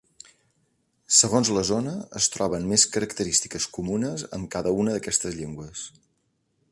Segons la zona, es troben més característiques comunes amb cada una d'aquestes llengües.